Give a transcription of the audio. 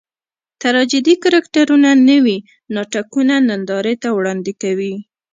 ټراجېډي کرکټرونه نوي ناټکونه نندارې ته وړاندې کوي.